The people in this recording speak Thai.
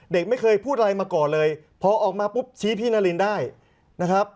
เด็กไม่เคยพูดอะไรมาก่อนเลยพอออกมาปุ๊บชี้พี่นารินได้นะครับ